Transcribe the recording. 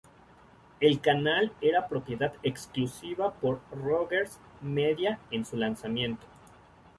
El canal era propiedad exclusiva por Rogers Media en su lanzamiento.